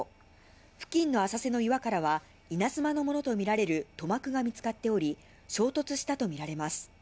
付近の浅瀬の岩からは、いなづまのものと見られる塗膜が見つかっており、衝突したと見られます。